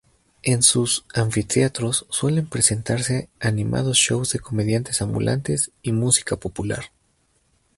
En sus anfiteatros suelen presentarse animados shows de comediantes ambulantes y música popular.